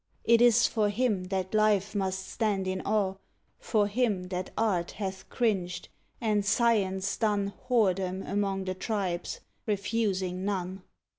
It is for him that Life must stand in awe, For him that Art hath cringed and Science done Whoredom among the tribes, refusing none.